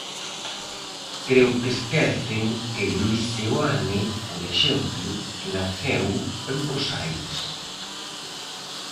Creo que esquecen que Luis Seoane, por exemplo, naceu en Bos Aires.